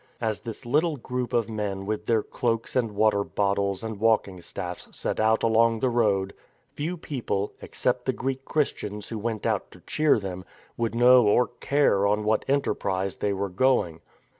As this little group of men with their cloaks and water bottles and walking staffs set out along the road, few people, except the Greek Christians who went out to cheer them, would know or care on what enterprise they were going.